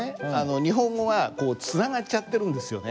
日本語がこうつながっちゃってるんですよね。